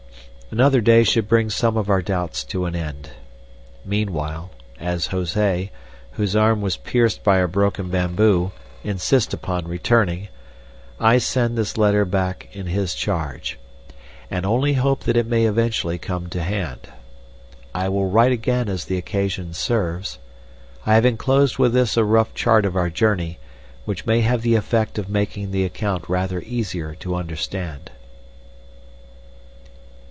Another day should bring some of our doubts to an end. Meanwhile, as Jose, whose arm was pierced by a broken bamboo, insists upon returning, I send this letter back in his charge, and only hope that it may eventually come to hand. I will write again as the occasion serves. I have enclosed with this a rough chart of our journey, which may have the effect of making the account rather easier to understand.